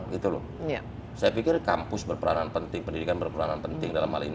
saya pikir kampus berperanan penting pendidikan berperanan penting dalam hal ini